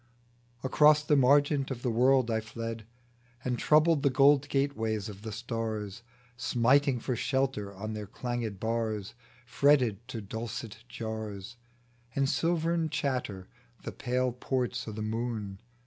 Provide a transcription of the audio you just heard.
Across the margent of the world I fled, And troubled the gold gateways of the stars, Smiting for shelter on their changed bars ; Fretted to dulcet jars And silvern chatter the pale ports o* the moon.